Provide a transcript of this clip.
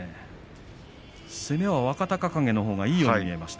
攻めは若隆景のほうがいいように見えました。